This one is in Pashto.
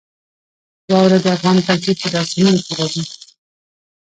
واوره د افغان کلتور په داستانونو کې راځي.